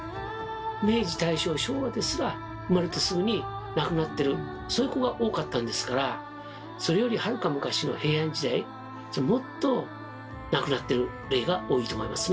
明治大正昭和ですら生まれてすぐに亡くなってるそういう子が多かったんですからそれよりはるか昔の平安時代もっと亡くなってる例が多いと思いますね。